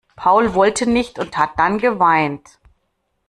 Paul wollte nicht und hat dann geweint.